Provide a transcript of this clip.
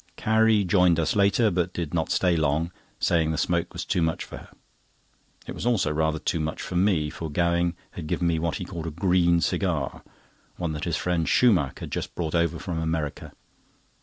Carrie joined us later, but did not stay long, saying the smoke was too much for her. It was also rather too much for me, for Gowing had given me what he called a green cigar, one that his friend Shoemach had just brought over from America.